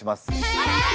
はい！